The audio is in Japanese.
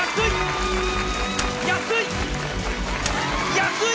安い！